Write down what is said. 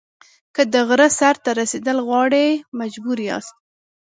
که د غره سر ته رسېدل غواړئ مجبور یاست.